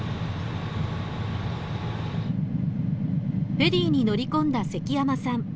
フェリーに乗り込んだ関山さん。